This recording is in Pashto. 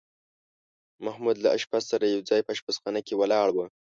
محمود له اشپز سره یو ځای په اشپزخانه کې ولاړ و.